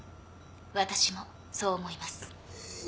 私もそう思います。